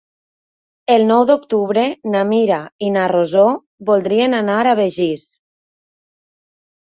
El nou d'octubre na Mira i na Rosó voldrien anar a Begís.